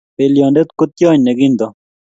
belionte ko tyony ne kinto.